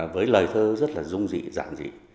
với lời thơ rất là dung dị dạng dị